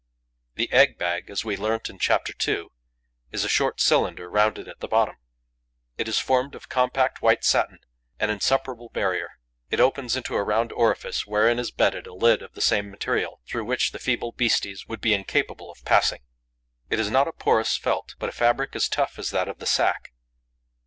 The egg bag, as we learnt in Chapter II., is a short cylinder rounded at the bottom. It is formed of compact white satin, an insuperable barrier. It opens into a round orifice wherein is bedded a lid of the same material, through which the feeble beasties would be incapable of passing. It is not a porous felt, but a fabric as tough as that of the sack.